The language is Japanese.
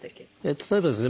例えばですね